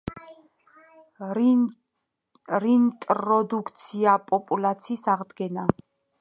რინტროდუქცია-პოპულაცის აღდგენა